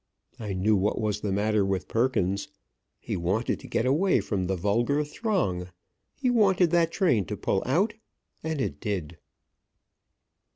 I knew what was the matter with Perkins. He wanted to get away from the vulgar throng. He wanted that train to pull out And it did.